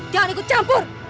jangan ikut campur